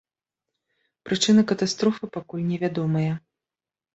Прычыны катастрофы пакуль невядомыя.